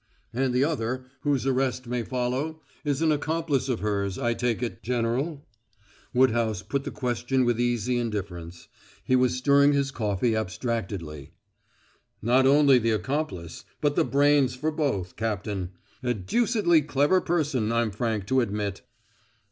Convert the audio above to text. "And the other, whose arrest may follow, is an accomplice of hers, I take it, General!" Woodhouse put the question with easy indifference. He was stirring his coffee abstractedly. "Not only the accomplice, but the brains for both, Captain. A deucedly clever person, I'm frank to admit."